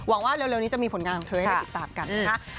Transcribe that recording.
ว่าเร็วนี้จะมีผลงานของเธอให้ได้ติดตามกันนะคะ